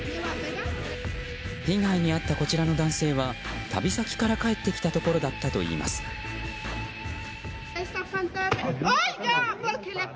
被害に遭ったこちらの男性は旅先から帰ってきたところだったといいます。